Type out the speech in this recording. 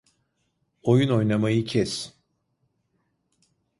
Oyun oynamayı kes.